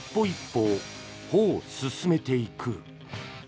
一歩、歩を進めていく。